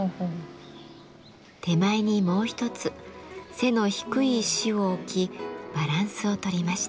手前にもう一つ背の低い石を置きバランスをとりました。